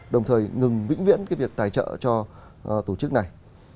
đồng thời ngừng vĩnh viễn cái việc tài trợ cho tổ chức này